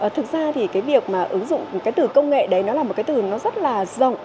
thực ra thì cái việc mà ứng dụng cái từ công nghệ đấy nó là một cái từ nó rất là rộng